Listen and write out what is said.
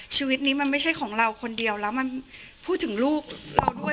ชีวิตนี้มันไม่ใช่ของเราคนเดียวแล้วมันพูดถึงลูกเราด้วย